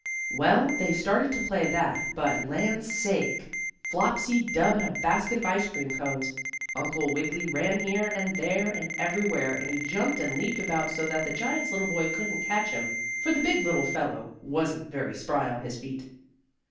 Well, they started to play that, but, land's sake, flopsy dub and a basket of ice cream cones! Uncle Wiggily ran here, and there, and everywhere, and he jumped and leaped about so that the giant's little boy couldn't catch him, for the big little fellow wasn't very spry on his feet.